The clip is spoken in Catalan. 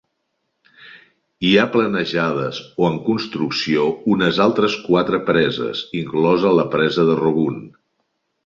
Hi ha planejades o en construcció unes altres quatre preses, inclosa la presa de Rogun.